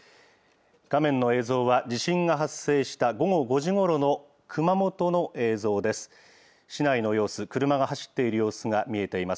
画面の映像は地震が発生した午後５時ごろの熊本の映像です。